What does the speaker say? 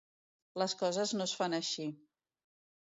Les coses no es fan així.